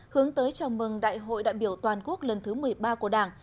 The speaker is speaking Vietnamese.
hướng tới chào mừng đại hội đại biểu toàn quốc lần thứ một mươi ba của đảng